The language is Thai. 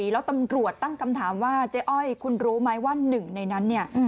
แล้วตำรวจตั้งคำถามว่าเจ๊อ้อยคุณรู้ไหมว่าหนึ่งในนั้นเนี่ย